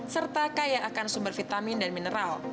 serta kaya akan sumber vitamin dan mineral